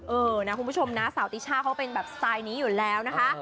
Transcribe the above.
เออนะคุณผู้ชมนะสาวติช่าเขาเป็นแบบสไตล์นี้อยู่แล้วนะคะ